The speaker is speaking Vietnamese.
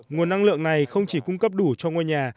nguồn năng lượng này không chỉ cung cấp đủ cho ngôi nhà